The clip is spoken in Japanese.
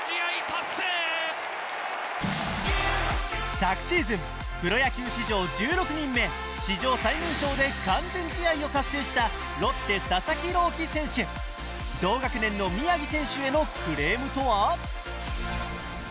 昨シーズンプロ野球史上１６人目史上最年少で完全試合を達成したロッテ・佐々木朗希選手同学年の宮城選手へのクレームとは？